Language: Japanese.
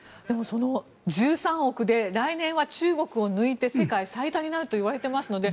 その１３億で来年は中国を抜いて世界最多になるといわれていますので。